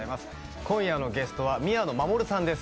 今夜のゲストは宮野真守さんです。